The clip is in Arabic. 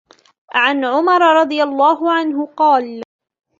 عن عُمرَ رَضِي اللهُ عَنْهُ قالَ: